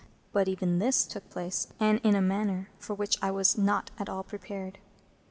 But even this took place, and in a manner for which I was not at all prepared.